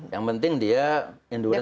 yang penting dia endurance